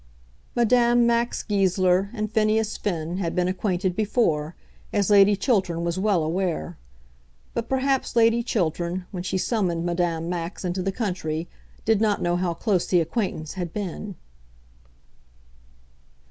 Madame Max Goesler and Phineas Finn had been acquainted before, as Lady Chiltern was well aware. But perhaps Lady Chiltern, when she summoned Madame Max into the country, did not know how close the acquaintance had been.